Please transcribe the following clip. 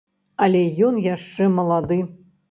Але ён яшчэ малады.